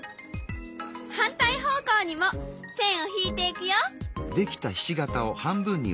反対方向にも線を引いていくよ。